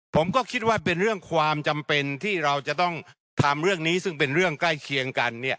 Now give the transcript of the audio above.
ผมก็คิดว่าเป็นเรื่องความจำเป็นที่เราจะต้องทำเรื่องนี้ซึ่งเป็นเรื่องใกล้เคียงกัน